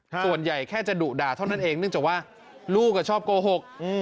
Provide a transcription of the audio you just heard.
ส่วนใหญ่แค่จะดุด่าเท่านั้นเองเนื่องจากว่าลูกชอบโกหก